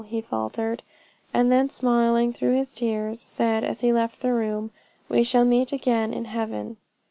he faltered; and then smiling through his tears, said, as he left the room, 'we shall meet again in Heaven.'"